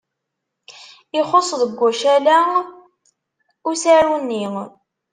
Ixuṣṣ deg ucala usaru-nni.